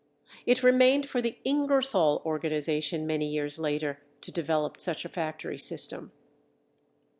It remained for the Ingersoll organization, many years later, to develop such a factory system.